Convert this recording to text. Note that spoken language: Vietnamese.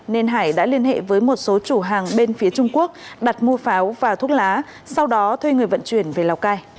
nên hải đã liên hệ với một số chủ hàng bên phía trung quốc đặt mua pháo và thuốc lá sau đó thuê người vận chuyển về lào cai